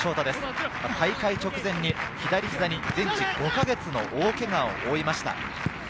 大会直前に左膝に全治５か月の大けがを負いました。